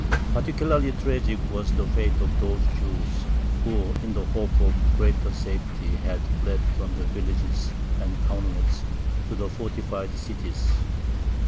Particularly tragic was the fate of those Jews who, in the hope of greater safety, had fled from the villages and townlets to the fortified cities.